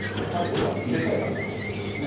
恐らく入れ替えたんだろうと思いますね。